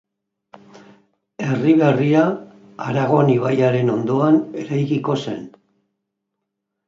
Herri berria, Aragon ibaiaren ondoan eraikiko zen.